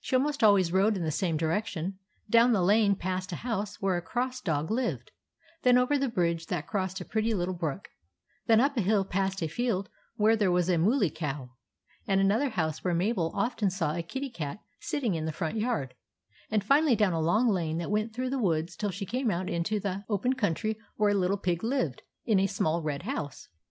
She almost always rode in the same direction: down the lane past a house where a cross dog lived ; then over the bridge that crossed a pretty little brook; then up a hill past a field where there was a mooly cow, and another house where Mabel often saw a kitty cat sitting in the front yard ; and finally down a long lane that went through the woods till she came out into the open country where a little pig hved in a small red house.